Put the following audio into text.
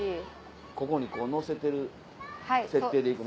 ここにこう乗せてる設定で行くね。